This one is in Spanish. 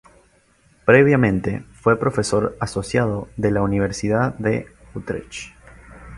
Previamente fue profesor asociado de la Universidad de Utrecht.